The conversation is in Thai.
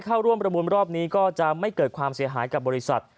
ก็จะไม่เกิดความเสียหายกับบริษัท